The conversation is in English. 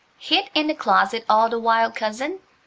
Hid in the closet all the while, cousin?"